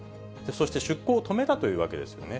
そして、出港を止めたというわけですね。